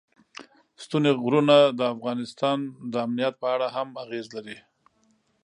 ستوني غرونه د افغانستان د امنیت په اړه هم اغېز لري.